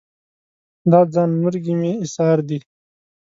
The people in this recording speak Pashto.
دا ځان مرګي مې ایسار دي